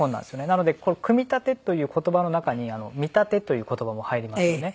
なので「くみたて」という言葉の中に「みたて」という言葉も入りますよね。